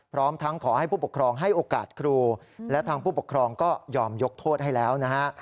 พร้อมทั้งขอให้ผู้ปกครองให้โอกาสครูและทางผู้ปกครองก็ยอมยกโทษให้แล้วนะฮะ